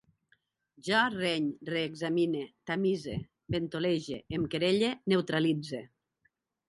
Jo reny, reexamine, tamise, ventolege, em querelle, neutralitze